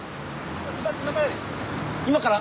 今から？